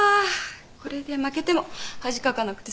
これで負けても恥かかなくて済む。